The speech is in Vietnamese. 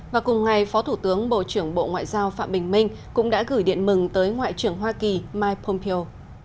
và cùng ngày phó thủ tướng bộ trưởng bộ ngoại giao phạm bình minh cũng đã gửi điện mừng tới ngoại trưởng hoa kỳ mike pompeo